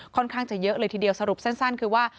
ค่อนข้างจะเยอะเลยทีเดียวสรุปสั้นคือว่า